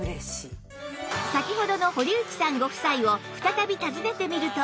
先ほどの堀内さんご夫妻を再び訪ねてみると